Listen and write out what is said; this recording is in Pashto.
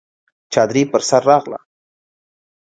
چادري پر سر راغله!